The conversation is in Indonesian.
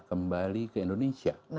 kembali ke indonesia